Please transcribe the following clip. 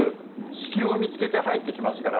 隙を見つけて入ってきますから。